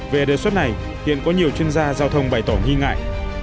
về đề xuất này hiện có nhiều chuyên gia giao thông bày tỏ nghi ngại